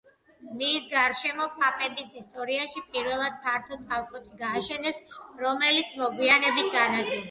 მის გარშემო პაპების ისტორიაში პირველად ფართო წალკოტი გააშენეს, რომელიც მოგვიანებით განადგურდა.